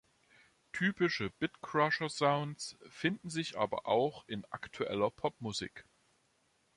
Typische Bitcrusher-Sounds finden sich aber auch in aktueller Popmusik.